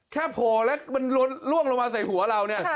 โผล่แล้วมันล่วงลงมาใส่หัวเราเนี่ย